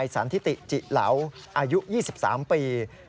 สันทิติจิเหลาอายุ๒๓ปี